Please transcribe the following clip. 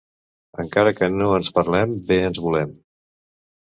Encara que no ens parlem, bé ens volem.